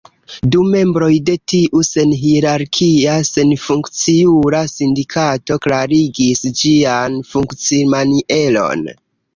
Du membroj de tiu senhierarkia, senfunkciula sindikato klarigis ĝian funkcimanieron.